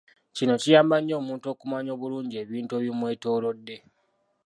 Kino kiyamba nnyo omuntu okumanya obulungi ebintu ebimwetoloodde.